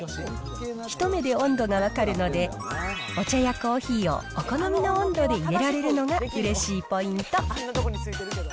一目で温度が分かるので、お茶やコーヒーをお好みの温度で入れられるのがうれしいポイント。